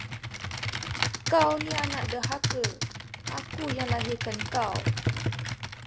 Kau ni anak derhaka, aku yang lahirkan kau.